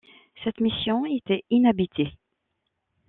Cette mission était inhabitée.